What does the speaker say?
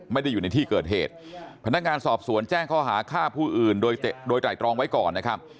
ไม่ได้อยู่ในที่เกิดเหตุพนักงานสอบสวนแจ้งข้อหาฆ่าผู้อื่นโดยไตรตรองไว้ก่อนนะครับ